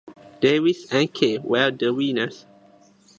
Davis and Kay were the winners.